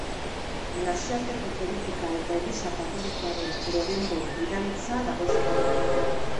Nazioarteko politika eta Eliza Katolikoaren gorengo gidaritza dagozkio.